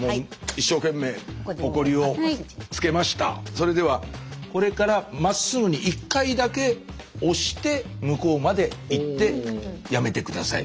それではこれからまっすぐに１回だけ押して向こうまで行ってやめて下さい。